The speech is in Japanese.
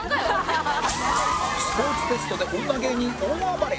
スポーツテストで女芸人大暴れ